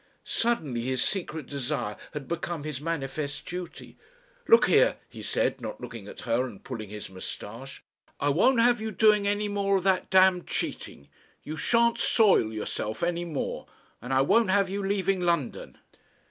Suddenly his secret desire had become his manifest duty. "Look here," he said, not looking at her and pulling his moustache. "I won't have you doing any more of that damned cheating. You shan't soil yourself any more. And I won't have you leaving London."